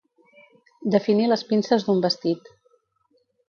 Definir les pinces d'un vestit.